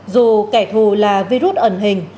dù kẻ thù là virus ẩn hình